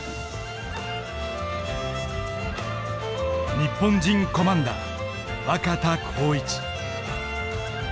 日本人コマンダー若田光一。